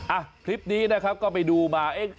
อ่ะคลิปนี้นะครับก็ไปดูมาเอ๊ะ